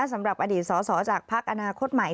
สำหรับอดีตสอสอจากพักอนาคตใหม่